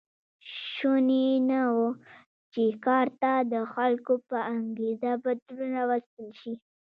شونې نه وه چې کار ته د خلکو په انګېزه بدلون راوستل شي.